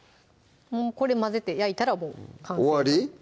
もうこれ混ぜて焼いたらもう終わり？